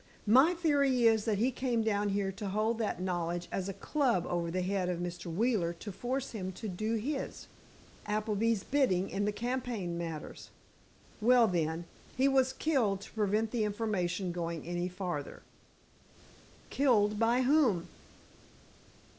My theory is, that he came down here to hold that knowledge as a club over the head of Mr. Wheeler to force him to do his, Appleby's, bidding in the campaign matters. Well, then—he was killed to prevent the information going any farther." "Killed by whom?"